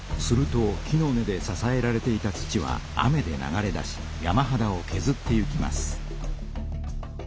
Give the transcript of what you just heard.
すると木の根でささえられていた土は雨で流れ出し山はだをけずっていきます。